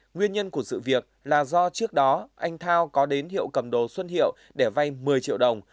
nguyên nhân của sự việc là do trước đó anh thao có đến hiệu cầm đồ xuân hiệu để vay một mươi triệu đồng